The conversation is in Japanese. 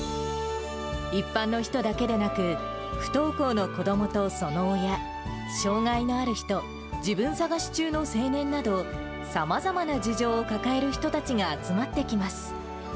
一般の人だけでなく、不登校の子どもとその親、障がいのある人、自分探し中の青年など、さまざまな事情を抱える人たちが集まってきます。